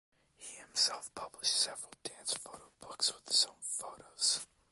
He himself published several dance photo books with his own photos.